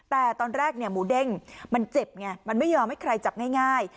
แต่ตอนแรกเนี่ยหมูเด้งมันเจ็บไงมันไม่ยอมให้ใครจับง่าย